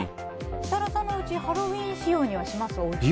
設楽さんのおうちハロウィーン仕様にします？